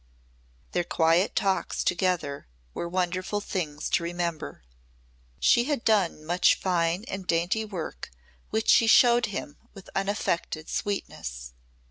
Their quiet talks together were wonderful things to remember. She had done much fine and dainty work which she showed him with unaffected sweetness.